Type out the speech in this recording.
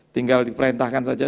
tinggal diperhentahkan saja